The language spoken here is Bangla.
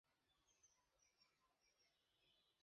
তোমার বেলায় নিতে পারতে এরকম সিদ্ধান্ত?